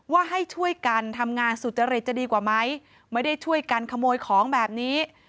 ว่าให้ช่วยกันทำงานสุจริตจะดีกว่าไหมไม่ได้ช่วยกันขโมยของแบบนี้